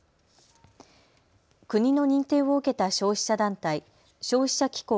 国の認定を受けた消費者団体、消費者機構